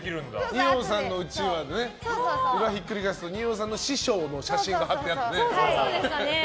二葉さんのうちわは裏、ひっくり返すと二葉さんの師匠の写真が貼ってあってね。